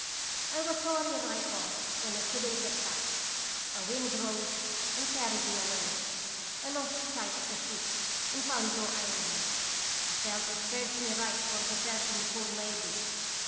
I was sorry right off when I could n't get back. A wind rose and carried me away. I lost sight of the ship and found no island. 1 felt it serves me right for desert ing the poor lady.